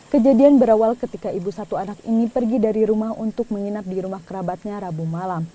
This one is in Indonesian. kejadian berawal ketika ibu satu anak ini pergi dari rumah untuk menginap di rumah kerabatnya rabu malam